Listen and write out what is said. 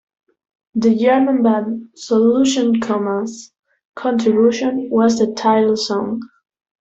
The German band Solution Coma's contribution was the title song.